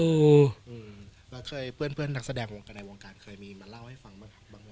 แล้วเคยเพื่อนนักแสดงในวงการเคยมีมาเล่าให้ฟังบ้าง